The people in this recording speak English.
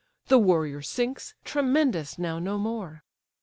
The warrior sinks, tremendous now no more!